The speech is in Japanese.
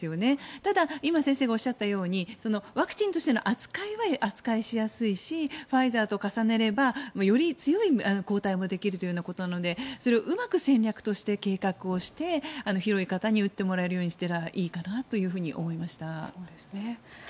ただ、今先生がおっしゃったようにワクチンとしての扱いは扱いしやすいしファイザーと重ねればより強い抗体もできるということなのでそれをうまく戦略として計画して広い方に打ってもらえるようにすればいいかなと思いました。